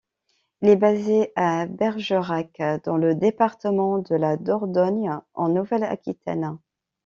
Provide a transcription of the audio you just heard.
Il est basé à Bergerac, dans le département de la Dordogne, en Nouvelle-Aquitaine.